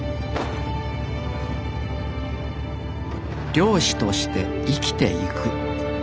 漁師として生きていく。